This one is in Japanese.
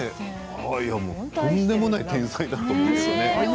とんでもない天才だと思うけれども。